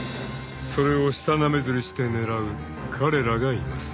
［それを舌なめずりして狙う彼らがいます］